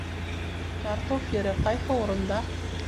Картуф ере ҡайһы урында?